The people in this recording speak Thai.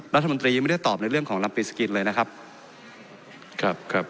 รัฐมนตรียังไม่ได้ตอบในเรื่องของลำปีสกินเลยนะครับครับครับ